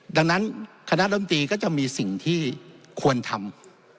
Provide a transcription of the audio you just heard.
ดังนั้นคณะรำตีก็จะมีสิ่งที่ควรทำ